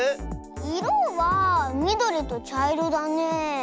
いろはみどりとちゃいろだねえ。